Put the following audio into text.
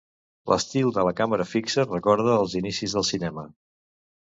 L’estil de la càmera fixa recorda els inicis del cinema.